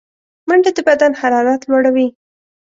منډه د بدن حرارت لوړوي